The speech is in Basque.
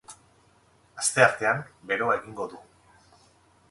Asteartean, beroa egingo du.